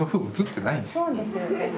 そうですよね。